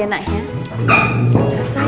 semangat sendiri kan